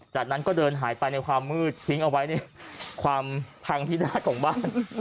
จากนั้นเขวก็เดินหายไปในความมืดทิ้งไว้ในความพังธิดาตรของบ้าน